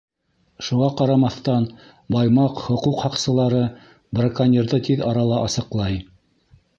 Шуға ҡарамаҫтан, Баймаҡ хоҡуҡ һаҡсылары браконьерҙы тиҙ арала асыҡлай.